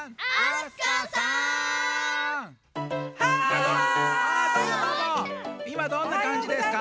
いまどんなかんじですか？